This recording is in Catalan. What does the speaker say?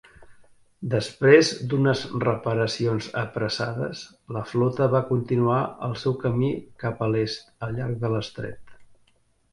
Després d'unes reparacions apressades, la flota va continuar el seu camí cap a l'est al llarg de l'estret.